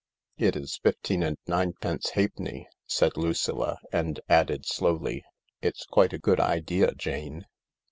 " It is fifteen and ninepence halfpenny," said Lucilla, and added slowly, "it's quite a good idea, Jane."